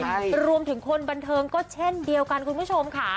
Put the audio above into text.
ใช่รวมถึงคนบันเทิงก็เช่นเดียวกันคุณผู้ชมค่ะ